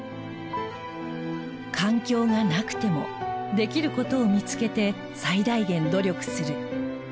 環境がなくてもできる事を見付けて最大限努力する。